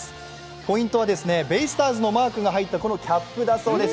ポイントは、ベイスターズのマークが入ったこのキャップだそうです。